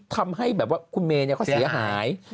ทำให้แบบว่าคุณเมย์เขาเสียหาย